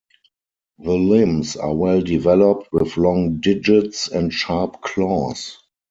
The limbs are well developed with long digits and sharp claws.